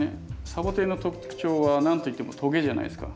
サボテンの特徴は何といってもトゲじゃないですか。